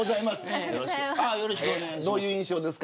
よろしくお願いします。